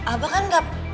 abah kan nggak